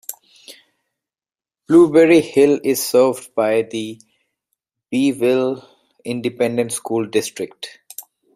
Blueberry Hill is served by the Beeville Independent School District.